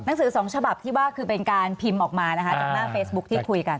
สือสองฉบับที่ว่าคือเป็นการพิมพ์ออกมานะคะจากหน้าเฟซบุ๊คที่คุยกัน